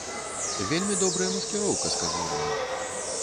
Вельмі добрая маскіроўка, скажу я вам.